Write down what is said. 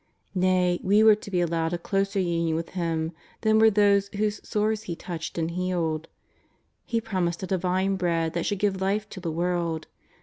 ^ay, we were to be allowed a closer union with Him than were those whose sores He touched and healed. He promised a Divine Bread that should give life to the world.